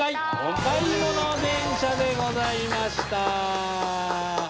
おかいもの電車でございました。